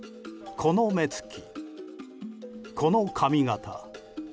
この目つきこの髪形。